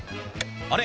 あれ？